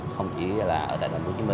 không chỉ là ở tại tp hcm